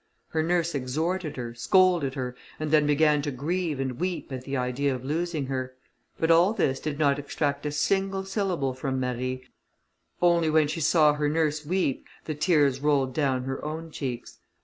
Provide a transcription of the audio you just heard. Her nurse exhorted her, scolded her, and then began to grieve and weep at the idea of losing her. But all this did not extract a single syllable from Marie, only when she saw her nurse weep the tears rolled down her own cheeks.